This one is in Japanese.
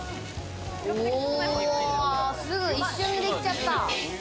すぐ一瞬でいっちゃった。